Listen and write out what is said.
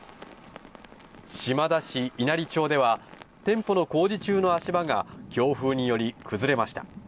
島田市稲荷町では、店舗の工事中の足場が強風により崩れました。